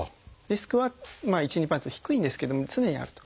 リスクは１２％と低いんですけども常にあると。